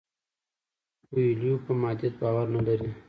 کویلیو په مادیت باور نه لري.